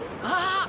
ああ！